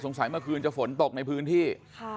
เมื่อคืนจะฝนตกในพื้นที่